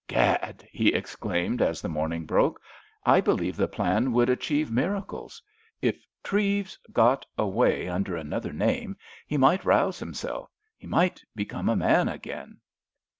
"Gad!" he exclaimed, as the morning broke, "I believe the plan would achieve miracles. If Treves got away under another name he might rouse himself. He might become a man again."